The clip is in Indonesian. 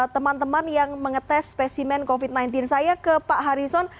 teman teman yang mengetes spesimen covid sembilan belas saya ke pak harison